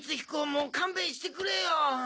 もう勘弁してくれよ。